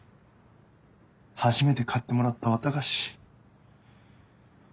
初めて買ってもらった綿菓子。